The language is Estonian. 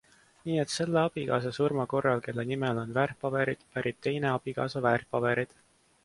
Nii et selle abikaasa surma korral, kelle nimel on väärtpaberid, pärib teine abikaasa väärtpaberid.